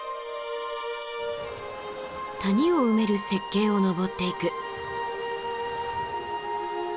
谷を埋める雪渓を登っていく。